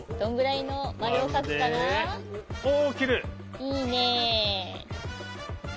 いいね。